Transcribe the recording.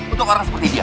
untuk orang seperti dia